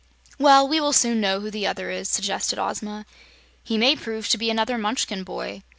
"Well, we will soon know who the other is," suggested Ozma. "He may prove to be another Munchkin boy."